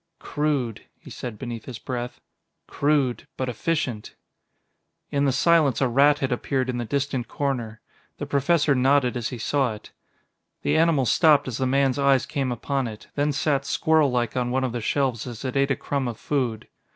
"Crude," he said beneath his breath, "crude but efficient!" In the silence a rat had appeared in the distant corner. The Professor nodded as he saw it. The animal stopped as the man's eyes came upon it; then sat squirrellike on one of the shelves as it ate a crumb of food.